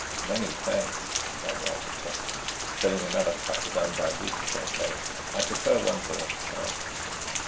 "Many thanks," Lanyard protested, filling another cup with undiluted champagne. "I prefer one thing at a time."